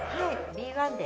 Ｂ１で。